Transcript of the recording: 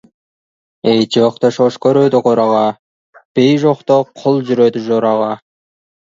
Ит жоқта шошқа үреді қораға, би жоқта құл жүреді жораға.